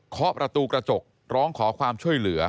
ขอประตูกระจกร้องขอความช่วยเหลือ